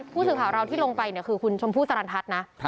ผู้สื่อข่าวเราที่ลงไปเนี่ยคือคุณชมพู่สรรทัศน์นะ